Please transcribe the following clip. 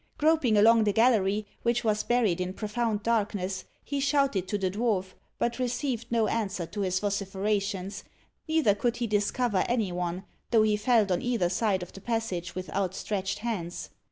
] Groping along the gallery, which was buried in profound darkness, he shouted to the dwarf, but received no answer to his vociferations; neither could he discover any one, though he felt on either side of the passage with outstretched hands.